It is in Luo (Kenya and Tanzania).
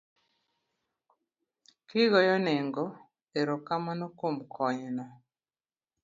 kigoyonego erokamano kuom konyno.